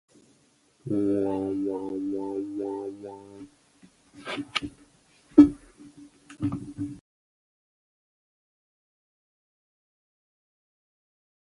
它慢慢地走來，笑容令人心裡發寒